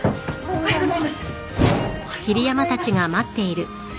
おはようございます。